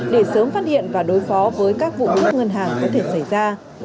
để sớm phát hiện và đối phó với các vụ cướp ngân hàng có thể xảy ra